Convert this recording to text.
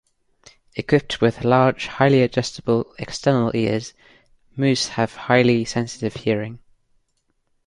Equipped with large, highly adjustable external ears, moose have highly sensitive hearing.